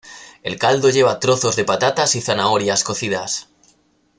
El caldo lleva trozos de patatas y zanahorias cocidas.